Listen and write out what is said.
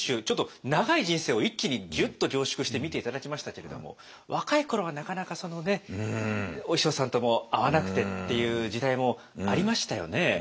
ちょっと長い人生を一気にギュッと凝縮して見て頂きましたけれども若いころはなかなかお師匠さんとも合わなくてっていう時代もありましたよね。